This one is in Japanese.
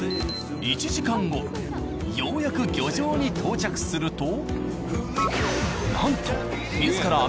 １時間後ようやく漁場に到着するとなんとイトヒキ。